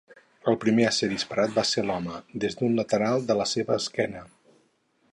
El primer a ser disparat va ser l'home, des d'un lateral de la seva esquena.